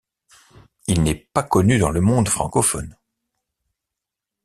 Il n'est pas connu dans le monde francophone.